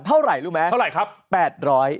เท่าไหร่รู้ไหมเท่าไหร่ครับ